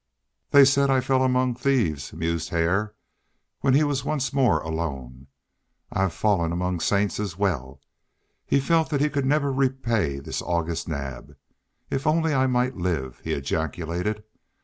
"They said I fell among thieves," mused Hare, when he was once more alone. "I've fallen among saints as well." He felt that he could never repay this August Naab. "If only I might live!" he ejaculated.